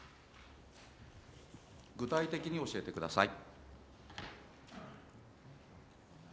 具体的に教えてください。